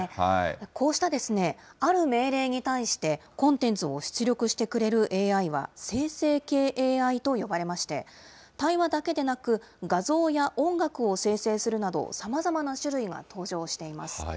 こうしたある命令に対して、コンテンツを出力してくれるＡＩは、生成系ＡＩと呼ばれまして、対話だけでなく、画像や音楽を生成するなど、さまざまな種類が登場しています。